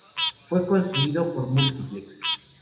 Fue construido por Multiplex.